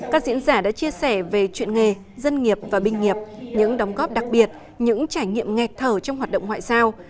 các diễn giả đã chia sẻ về chuyện nghề dân nghiệp và binh nghiệp những đóng góp đặc biệt những trải nghiệm nghẹt thở trong hoạt động ngoại giao